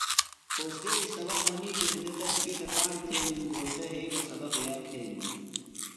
اوستیذیۡ سبق منِیتی ہینتہ تس شوئی تھےۡ کاݨ تھینِم۔ گھوݜٹہ یھئی بہ سبق یاد تھینِم۔